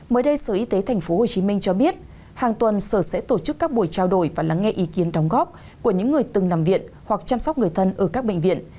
mới đây sở y tế tp hcm cho biết hàng tuần sở sẽ tổ chức các buổi trao đổi và lắng nghe ý kiến đóng góp của những người từng nằm viện hoặc chăm sóc người thân ở các bệnh viện